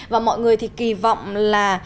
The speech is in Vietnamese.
và mọi người thì kỳ vọng là